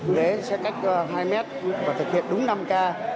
đấy sẽ cách hai mét và thực hiện đúng năm k